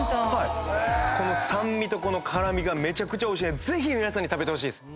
この酸味とこの辛味がめちゃくちゃおいしいんで皆さんに食べてほしいです。